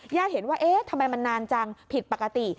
เห็นว่าเอ๊ะทำไมมันนานจังผิดปกติ